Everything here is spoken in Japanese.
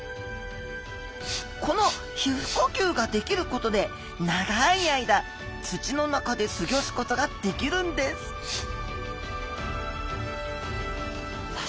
この皮膚呼吸ができることで長い間土の中で過ギョすことができるんですさあ